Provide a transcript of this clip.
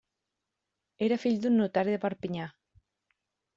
Era fill d'un notari de Perpinyà.